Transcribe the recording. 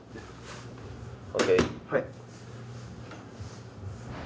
はい。